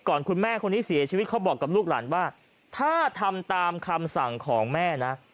คุณแม่คนนี้เสียชีวิตเขาบอกกับลูกหลานว่าถ้าทำตามคำสั่งของแม่นะ